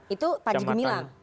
itu panjegu milang